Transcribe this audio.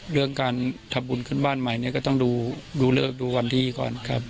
เรื่องการทำบุญขึ้นบ้านใหม่เนี่ยก็ต้องดูเลิกดูก่อนดีก่อนครับ